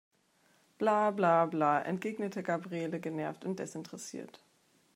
Bla bla bla, entgegnete Gabriele genervt und desinteressiert.